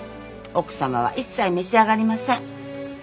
奥様は一切召し上がりません。